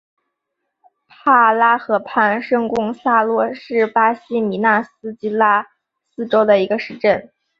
帕拉河畔圣贡萨洛是巴西米纳斯吉拉斯州的一个市镇。